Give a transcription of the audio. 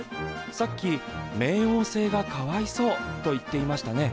さっき「冥王星がかわいそう！」と言っていましたね。